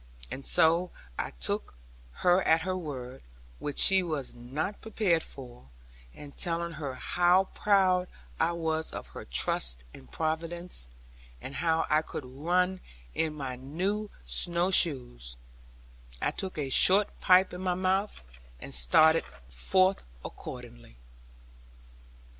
And so I took her at her word, which she was not prepared for; and telling her how proud I was of her trust in Providence, and how I could run in my new snow shoes, I took a short pipe in my mouth, and started forth accordingly.